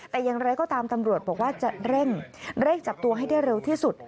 แต่อย่างไรก็ตามตำรวจบอกว่าจะเร่งจับตัวให้ได้เร็วที่สุด